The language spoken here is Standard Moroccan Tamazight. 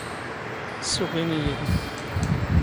ⵙⵙⵓⴽⵉⵏ ⵉⵢⵉ ⵜⵏ.